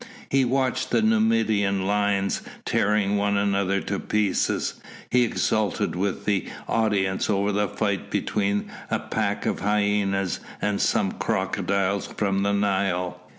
He watched the Numidian lions tearing one another to pieces, he exulted with the audience over the fight between a pack of hyenas and some crocodiles from the Nile.